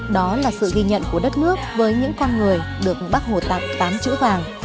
đó là sự ghi nhận của đất nước với những con người được bác hồ tặng tám chữ vàng